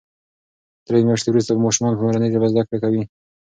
درې میاشتې وروسته به ماشومان په مورنۍ ژبه زده کړه کوي.